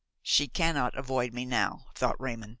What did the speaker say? "She cannot avoid me now," thought Raymon.